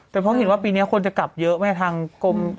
แต่เพราะเห็นว่าปีนี้คนจะกลับเยอะแม่ทางกรม